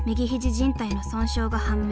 じん帯の損傷が判明。